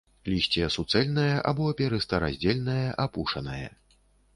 Лісце суцэльнае або перыста-раздзельнае, апушанае.